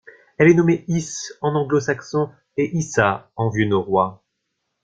Elle est nommée Is en anglo-saxon et Isa en vieux norrois.